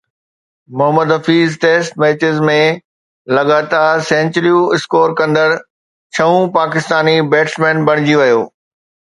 Muhammad Hafeez test ميچن ۾ لڳاتار سينچريون اسڪور ڪندڙ ڇهون پاڪستاني بيٽسمين بڻجي ويو